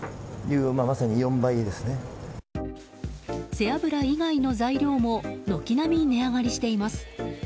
背脂以外の材料も軒並み値上がりしています。